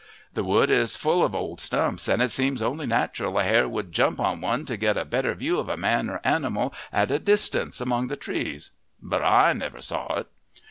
The wood is full of old stumps, and it seems only natural a hare should jump on to one to get a better view of a man or animal at a distance among the trees. But I never saw it."